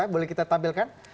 boleh kita tampilkan